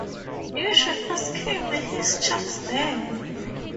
You should ask him his child's name.